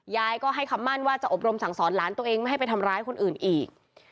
ยายก็ให้คำมั่นว่าจะอบรมสั่งสอนหลานตัวเองไม่ให้ไปทำร้ายคนอื่นอีก